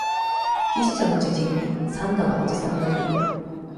筆者の知人に、サンタのおじさんがいる。